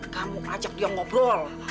kamu ajak dia ngobrol